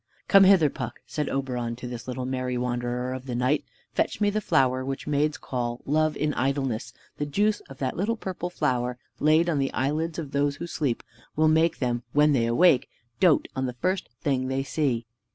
"Come hither, Puck," said Oberon to this little merry wanderer of the night; "fetch me the flower which maids call Love in Idleness; the juice of that little purple flower laid on the eyelids of those who sleep, will make them, when they awake, dote on the first thing they see.